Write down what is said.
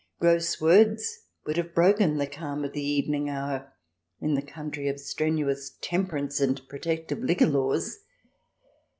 Gross words would have broken the calm of the evening hour in the country of strenuous temperance and protective liquor laws